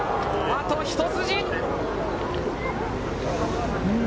あと一筋。